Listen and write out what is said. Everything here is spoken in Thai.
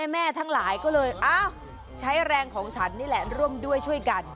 ทั้งหลายก็เลยใช้แรงของฉันนี่แหละร่วมด้วยช่วยกัน